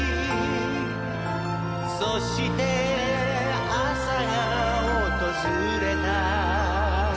そして朝が訪れた